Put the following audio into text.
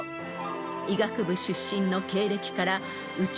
［医学部出身の経歴から］